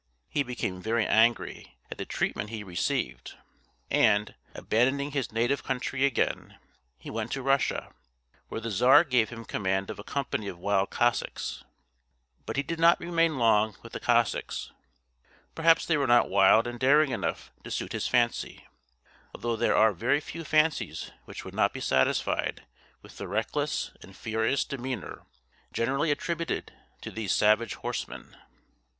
He became very angry at the treatment he received, and, abandoning his native country again, he went to Russia, where the czar gave him command of a company of wild Cossacks. But he did not remain long with the Cossacks. Perhaps they were not wild and daring enough to suit his fancy, although there are very few fancies which would not be satisfied with the reckless and furious demeanor generally attributed to these savage horsemen.